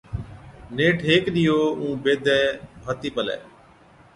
نيٺ هيڪ ڏِيئو اُون بيدَي ڀاتِي پلَي